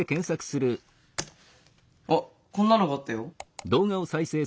あっこんなのがあったよ。